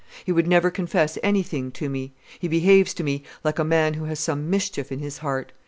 He would never confess anything to me; he behaves to me like a man who has some mischief in his heart.